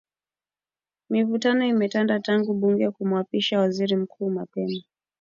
Mivutano imetanda tangu bunge kumwapisha Waziri Mkuu mapema